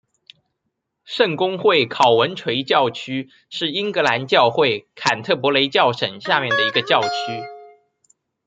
圣公会考文垂教区是英格兰教会坎特伯雷教省下面的一个教区。